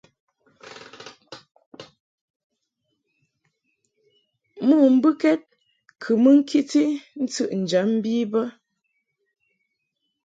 Mo mbɨkɛd kɨ mɨ ŋkiti ntɨʼnjam bi bə.